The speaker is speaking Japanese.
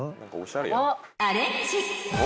［アレンジ！］